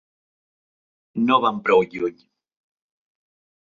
No van prou lluny.